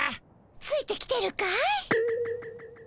ついてきてるかい？